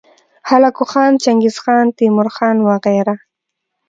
هلاکو خان، چنګیزخان، تیمورخان وغیره